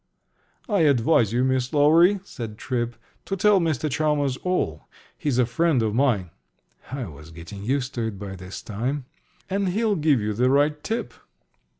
"I advise you, Miss Lowery," said Tripp, "to tell Mr. Chalmers all. He's a friend of mine" (I was getting used to it by this time), "and he'll give you the right tip."